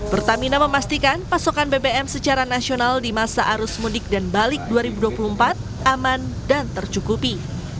pertamina memastikan pasokan bbm secara nasional di masa arus mudik dan balik dua ribu dua puluh empat aman dan tercukupi